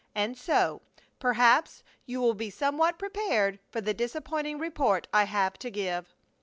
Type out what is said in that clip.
And so, perhaps, you will be somewhat prepared for the disappointing report I have to give.